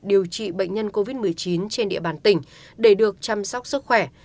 điều trị bệnh nhân covid một mươi chín trên địa bàn tỉnh để được chăm sóc sức khỏe